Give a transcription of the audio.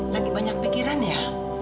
lagi banyak pikiran ya